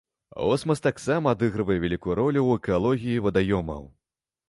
Осмас таксама адыгрывае вялікую ролю ў экалогіі вадаёмаў.